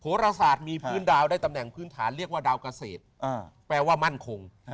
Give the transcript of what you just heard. รศาสตร์มีพื้นดาวได้ตำแหน่งพื้นฐานเรียกว่าดาวเกษตรแปลว่ามั่นคง